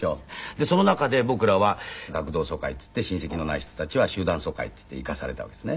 でその中で僕らは学童疎開っていって親戚のない人たちは集団疎開っていって行かされたわけですね。